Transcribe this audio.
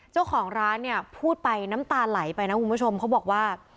เจ้าของร้านเนี่ยพูดไปน้ำตาไหลไปนะคุณผู้ชมเขาบอกว่า